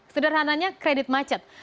sederhananya kredit macet